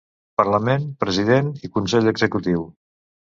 Parlament, president i Consell Executiu.